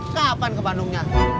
kapan ke bandungnya